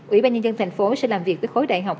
ủy ban nhân dân tp hcm sẽ làm việc với khối đại học